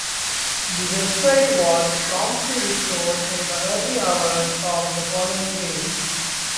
The website was promptly restored in the early hours of the following day.